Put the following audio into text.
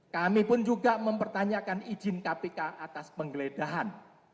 kami pun juga mempertanyakan izin kpk atas penggeledahan